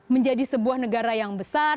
menjadi sebuah negara yang besar